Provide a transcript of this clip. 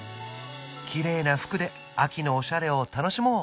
きれいな服で秋のおしゃれを楽しもう！